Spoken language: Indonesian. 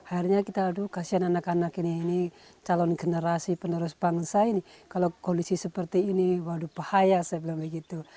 akhirnya kita aduh kasian anak anak ini ini calon generasi penerus bangsa ini kalau kondisi seperti ini waduh bahaya saya bilang begitu